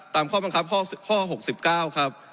ตามข้อบังคับข้อ๖๙ครับ